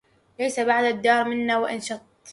ليس بعد الديار منا وإن شط